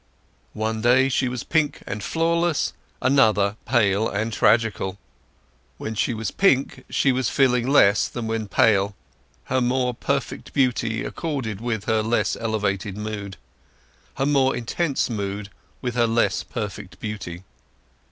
One day she was pink and flawless; another pale and tragical. When she was pink she was feeling less than when pale; her more perfect beauty accorded with her less elevated mood; her more intense mood with her less perfect beauty.